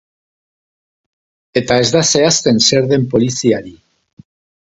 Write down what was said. Eta ez da zehazten zer den poliziari.